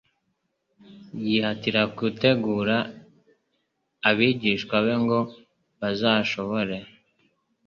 yihatira gutegura abigishwa be ngo bazashobore